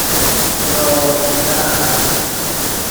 یاد رفت